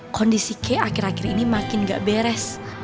kondisi k akhir akhir ini makin gak beres